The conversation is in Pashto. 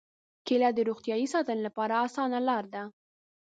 کېله د روغتیا ساتنې لپاره اسانه لاره ده.